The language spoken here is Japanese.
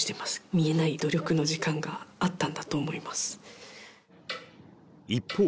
見えない努力の時間があったんだと思います。